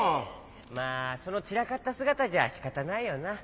まあそのちらかったすがたじゃしかたないよな。